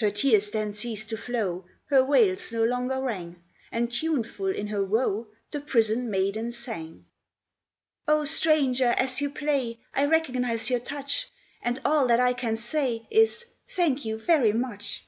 Her tears then ceased to flow, Her wails no longer rang, And tuneful in her woe The prisoned maiden sang: "Oh, stranger, as you play I recognise your touch; And all that I can say, Is thank you very much!"